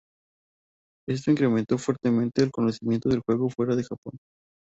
Esto incrementó fuertemente el conocimiento del juego fuera de Japón.